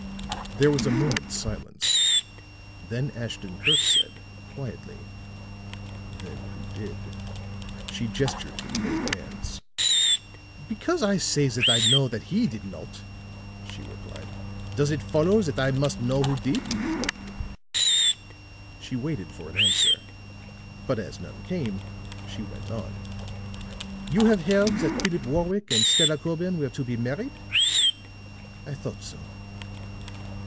There was a moment's silence, then Ashton Kirk said, quietly: "Then who did?" She gestured with both hands. "Because I say that I know that he did not," she replied, "does it follow that I must know who did?" She waited for an answer, but as none came, she went on: "You have heard that Philip Warwick and Stella Corbin were to be married? I thought so.